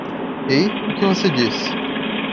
Ei? o que você diz?